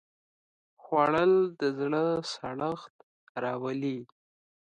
خوړل د زړه سړښت راولي